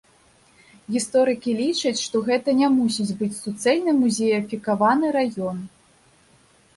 Гісторыкі лічаць, што гэта не мусіць быць суцэльны музеяфікаваны раён.